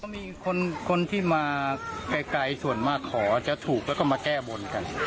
มีคนที่มาไกลส่วนมากขอจะถูกแล้วก็มาแก้บนกัน